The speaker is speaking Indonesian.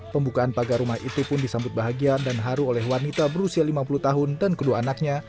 pembukaan pagar rumah itu pun disambut bahagian dan haru oleh wanita berusia lima puluh tahun dan kedua anaknya